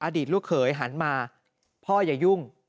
อดีตลูกเขยหันมาพ่ออย่ายุ่ง